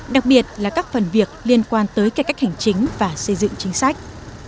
đặc biệt là các phần việc liên quan tới kẻ cách hành chính và xây dựng chính sách